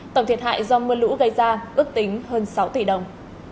tổng thiệt hại do mưa lũ gây ra ước tính hơn sáu tỷ đồng